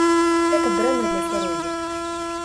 Гэта дрэнна для здароўя.